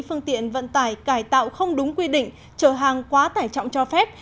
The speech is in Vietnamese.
phương tiện vận tải cải tạo không đúng quy định chở hàng quá tài trọng cho phép